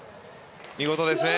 見事ですね。